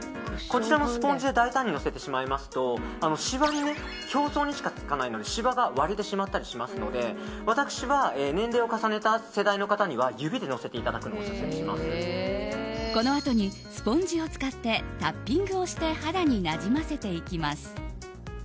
こちらのスポンジで大胆に乗せてしまいますとシワに表層にしかつかないのでシワが割れてしまったりしますので私は年齢を重ねた世代の方には指で乗せていただくのをこのあとにスポンジを使ってタッピングをして肌になじませていきます。